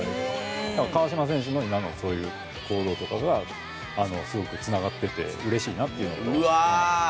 川島選手の今のそういう行動とかがつながっていてうれしいなというのを思います。